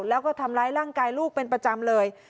แล้วก็ทำร้ายร่างกายลูกเป็นประจำเลย